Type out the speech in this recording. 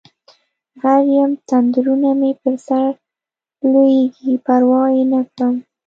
غر یم تندرونه مې په سرلویږي پروا یې نکړم